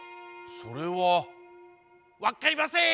それはわっかりません！